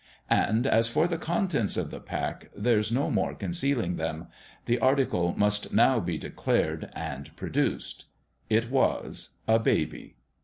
And as for the contents of the pack, there's no more concealing them ! The article must now be de clared and produced. It was a baby.